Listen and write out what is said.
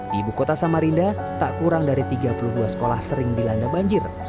di ibu kota samarinda tak kurang dari tiga puluh dua sekolah sering dilanda banjir